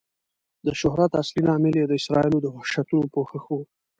د شهرت اصلي لامل یې د اسرائیلو د وحشتونو پوښښ و.